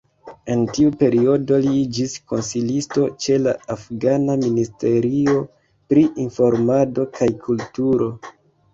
En tiu periodo li iĝis konsilisto ĉe la afgana Ministerio pri Informado kaj Kulturo.